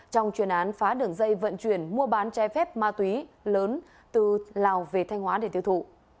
trong chuyên án phá đường dây vận chuyển mua bán che phép ma túy lớn từ lào về thanh hóa để tiêu thụ